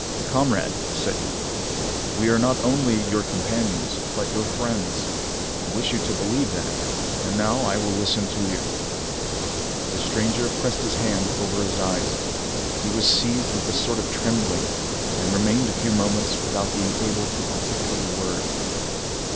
"Comrade," said he, "we are not only your companions but your friends. I wish you to believe that, and now I will listen to you." The stranger pressed his hand over his eyes. He was seized with a sort of trembling, and remained a few moments without being able to articulate a word.